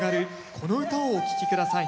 この唄をお聴き下さい。